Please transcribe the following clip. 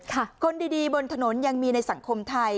คนดีบนถนนยังมีในสังคมไทย